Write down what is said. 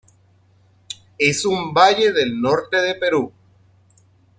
Es un valle del norte del Perú.